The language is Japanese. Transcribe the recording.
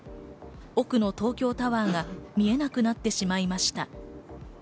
奥の東京タワーが見えなくなってしまいました。